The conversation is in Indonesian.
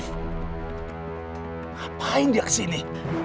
ngapain dia kesini